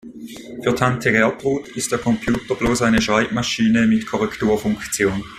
Für Tante Gertrud ist ihr Computer bloß eine Schreibmaschine mit Korrekturfunktion.